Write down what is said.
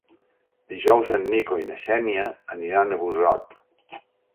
Dijous en Nico i na Xènia aniran a Busot.